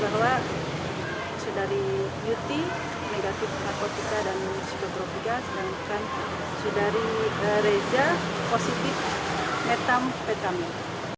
diperoleh bahwa sedari beauty negatif narkotika dan psikotropika sedangkan sedari reza positif etam petamin